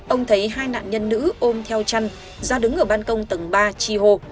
ông thấy hai nạn nhân nữ ôm theo chăn ra đứng ở ban công tầng ba chi hô